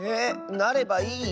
なればいい？